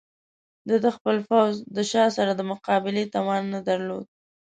د ده خپل پوځ د شاه سره د مقابلې توان نه درلود.